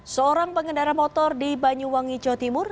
seorang pengendara motor di banyuwangi jawa timur